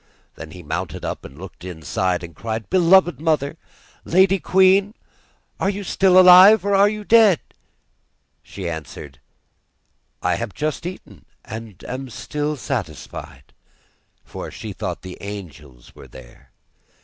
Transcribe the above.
Then he mounted up and looked inside, and cried: 'Beloved mother, Lady Queen, are you still alive, or are you dead?' She answered: 'I have just eaten, and am still satisfied,' for she thought the angels were there.